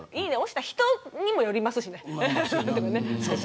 押した人にもよりますしね。